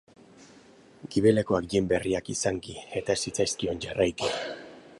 Gibelekoak jin berriak izanki eta ez zitzaizkion jarraiki.